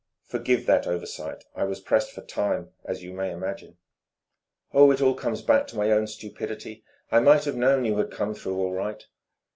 "Forgive that oversight. I was pressed for time, as you may imagine." "Oh, it all comes back to my own stupidity. I might have known you had come through all right."